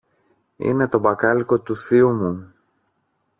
είναι το μπακάλικο του θειού μου